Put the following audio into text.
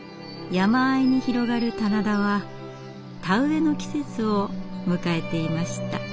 山あいに広がる棚田は田植えの季節を迎えていました。